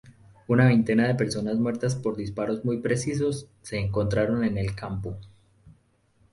Una veintena de personas muertas por disparos muy precisos se encontraron en el campo.